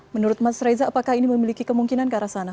menurut mas reza apakah ini memiliki kemungkinan ke arah sana